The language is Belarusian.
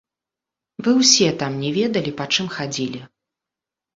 Вы ўсе там не ведалі, па чым хадзілі.